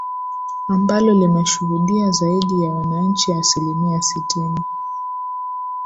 ambalo limeshuhudia zaidi ya wananchi asilimia sitini